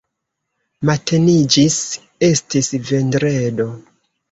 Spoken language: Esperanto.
Mateniĝis, estis vendredo.